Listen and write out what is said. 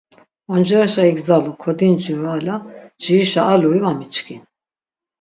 Oncereşa igzalu, kodinciru ala ncirişa alui va miçkin.